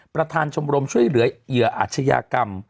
ประธานชมรมช่วยเหลือเหยื่ออาชญากรรม